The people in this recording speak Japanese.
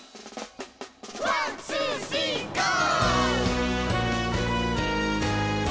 ワンツースリーゴー！